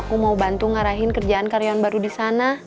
aku mau bantu ngarahi kerjaan karyawan baru disana